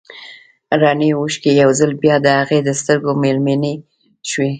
رڼې اوښکې يو ځل بيا د هغې د سترګو مېلمنې شوې.